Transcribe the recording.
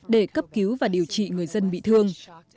để cấp cứu và điều trị người dân bị thương